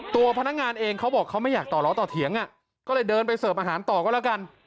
ตัวพนักงานเองเขาบอกเขาไม่อยากต่อล้อต่อเถียงก็เลยเดินไปเสิร์ฟอาหารต่อก็แล้วกัน